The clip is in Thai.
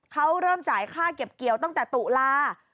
เขาเริ่มจ่ายค่าเก็บเกี่ยวตั้งแต่ตุลา